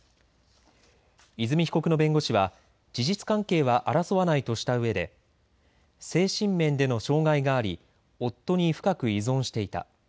和美被告の弁護士は事実関係は争わないとしたうえで精神面での障害があり夫に深く依存していた。